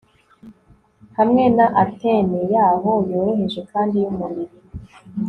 hamwe na antenne yaho, yoroheje kandi yumubiri